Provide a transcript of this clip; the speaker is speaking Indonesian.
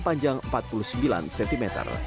panjang empat puluh sembilan cm